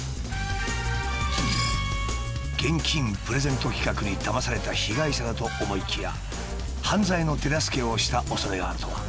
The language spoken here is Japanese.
現金プレゼント企画にだまされた被害者だと思いきや犯罪の手助けをしたおそれがあるとは。